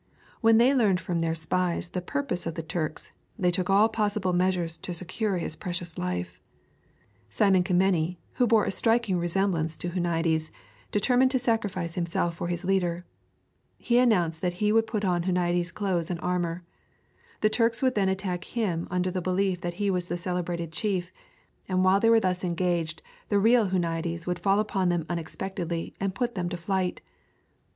When they learned from their spies the purpose of the Turks, they took all possible measures to secure his precious life. One of their number, Simon Kemeny, who bore a striking resemblance to Huniades, determined to sacrifice himself for his leader. He announced that he would put on Huniades' clothes and armor. The Turks would then attack him under the belief that he was the celebrated chief, and while they were thus engaged the real Huniades would fall upon them unexpectedly and put them to flight.